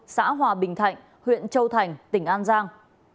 xã hòa bình thạnh huyện châu thành tỉnh an giang